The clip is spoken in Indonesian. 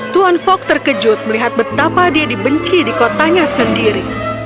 tuan fok terkejut melihat betapa dia dibenci di kotanya sendiri